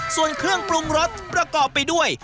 ส่วนเครื่องปรุงรสประกอบไปด้วย